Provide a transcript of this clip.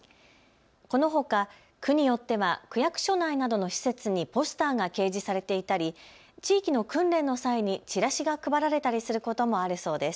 このほか区によっては区役所内などの施設にポスターが掲示されていたり地域の訓練の際にチラシが配られたりすることもあるそうです。